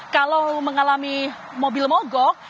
kalau mengalami mobil mogok